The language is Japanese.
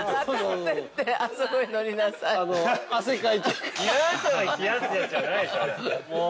◆冷や汗を冷やすやつじゃないでしょう。